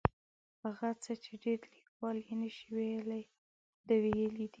هغه څه چې ډېر لیکوال یې نشي ویلی ده ویلي دي.